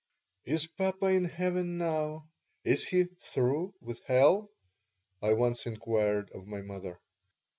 "Is papa in heaven now? Is he through with hell?" I once inquired of my mother.